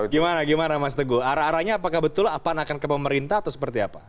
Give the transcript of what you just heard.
gimana gimana mas teguh arah arahnya apakah betul pan akan ke pemerintah atau seperti apa